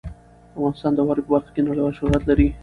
افغانستان د واوره په برخه کې نړیوال شهرت لري.